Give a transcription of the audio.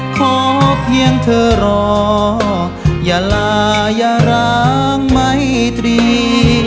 ขอเพียงเธอรออย่าลาอย่าร้างไม่ตรี